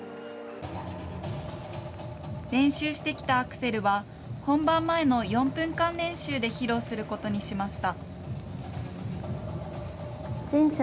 練習してきたアクセルは、本番前の４分間練習で披露することにしました。